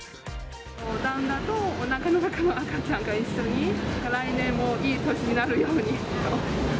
旦那とおなかの中の赤ちゃんと一緒に、来年もいい年になるようにと。